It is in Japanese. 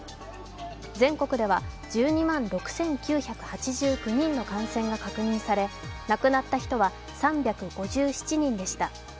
全国では１２万６９８９人の感染が確認され、亡くなった人は３５７人でした。